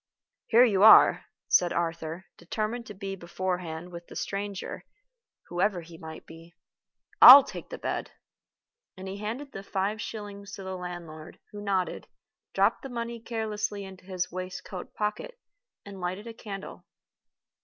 "Here you are," said Arthur, determined to be beforehand with the stranger, whoever he might be. "I'll take the bed." And he handed the five shillings to the landlord, who nodded, dropped the money carelessly into his waistcoat pocket, and lighted a candle.